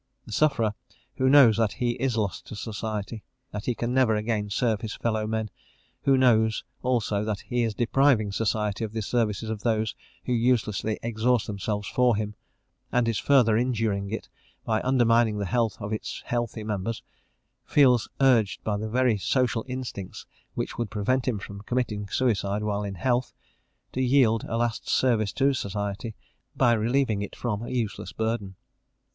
The sufferer who knows that he is lost to society, that he can never again serve his fellow men; who knows, also, that he is depriving society of the services of those who uselessly exhaust themselves for him, and is further injuring it by undermining the health of its healthy members, feels urged by the very social instincts which would prevent him from committing suicide while in health, to yield a last service to society by relieving it from a useless burden.